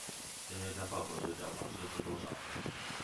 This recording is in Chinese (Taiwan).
冤冤相報何時了，往事知多少